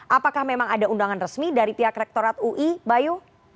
apakah memang ada undangan resmi dari pihak rektorat ui bayu